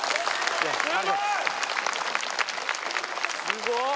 すごい！